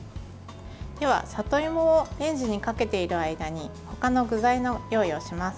では、里芋をレンジにかけている間に他の具材の用意をします。